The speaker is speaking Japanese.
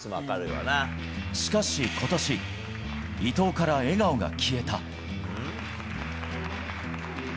しかし、ことし、伊藤から笑顔が消えた。